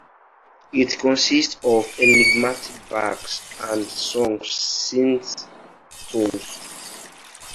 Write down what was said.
It consists of enigmatic barks and sung synth tones.